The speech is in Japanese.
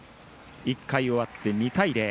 １回終わって２対０。